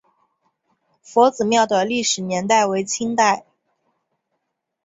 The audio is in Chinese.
佛子庙的历史年代为清代。